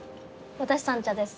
私三茶です。